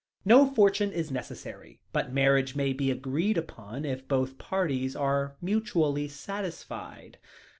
No fortune is necessary, but marriage may be agreed upon if both parties are mutually satisfied.